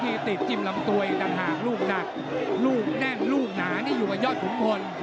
๒ตีติดจินปรำตัวยด้านห่างลูกหลักลูกแน่งลูกหนายอดขุนพล